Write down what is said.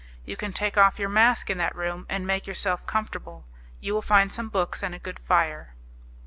You can take off your mask in that room, and make yourself comfortable; you will find some books and a good fire."